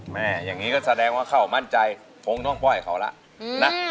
อย่างนี้ก็แสดงว่าเขามั่นใจคงต้องปล่อยเขาแล้วนะ